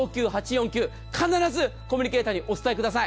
必ずコミュニケーターにお伝えください。